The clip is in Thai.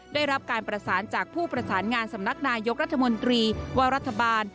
ได้รับการประสานจากผู้ประสานงานสำนักนายกรัฐมนตรีว่ารัฐบาล